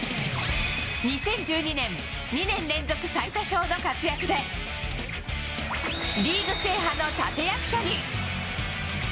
２０１２年、２年連続最多勝の活躍で、リーグ制覇の立て役者に。